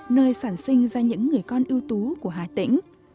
nơi sản sinh ra những người con ưu tú của hà tĩnh